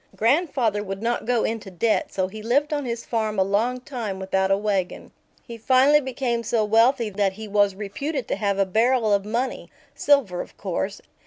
Grandfather would not go into debt, so he lived on his farm a long time without a wagon. He finally became so wealthy that he was reputed to have a barrel of money silver, of course.